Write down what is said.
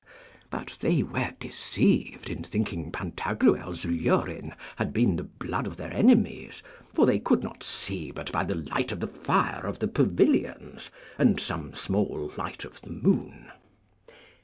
But they were deceived in thinking Pantagruel's urine had been the blood of their enemies, for they could not see but by the light of the fire of the pavilions and some small light of the moon.